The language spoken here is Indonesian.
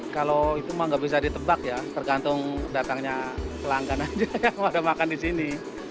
kalau itu mah gak bisa ditebak ya tergantung datangnya pelanggan aja yang mau ada makan disini